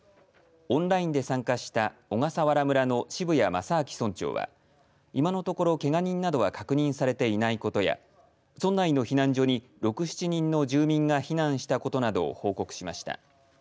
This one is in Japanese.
オンラインで参加した小笠原村の渋谷正昭村長はいまのところ、けが人などは確認されていないことや村内の避難所に６、７人の住民が避難したことなどを報告しました。